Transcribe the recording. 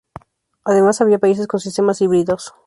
Además, había países con sistemas híbridos.